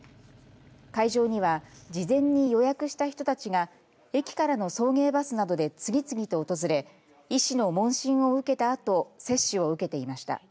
会場には事前に予約した人たちが駅からの送迎バスなどで次々と訪れ医師の問診を受けたあと接種を受けていました。